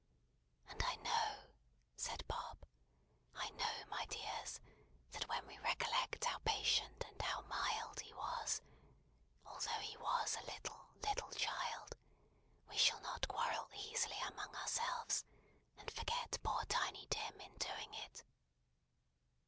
"And I know," said Bob, "I know, my dears, that when we recollect how patient and how mild he was; although he was a little, little child; we shall not quarrel easily among ourselves, and forget poor Tiny Tim in doing it."